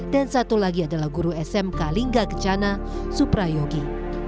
dan satu lagi adalah guru smk lingga kencana suprayogi